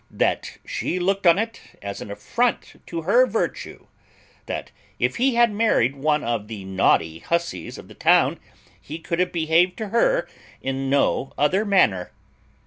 That she looked on it as an affront to her virtue. That if he had married one of the naughty hussies of the town he could have behaved to her in no other manner.